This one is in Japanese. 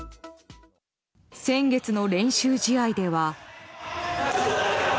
先月の練習試合では。